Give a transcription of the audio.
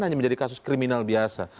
hanya menjadi kasus kriminal biasa